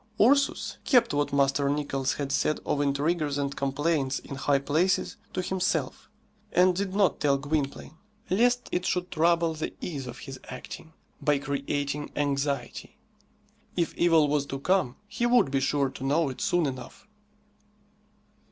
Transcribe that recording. Ursus kept what Master Nicless had said of intriguers and complaints in high places to himself, and did not tell Gwynplaine, lest it should trouble the ease of his acting by creating anxiety. If evil was to come, he would be sure to know it soon enough.